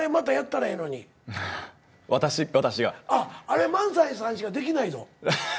あれ萬斎さんしかできないぞ。